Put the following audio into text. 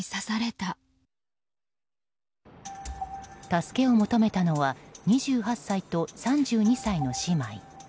助けを求めたのは２８歳と３２歳の姉妹。